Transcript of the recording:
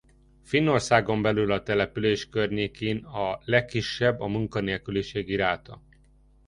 Finnországon belül a település környékén a legkisebb a munkanélküliségi ráta.